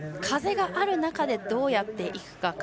風がある中でどうやっていくか。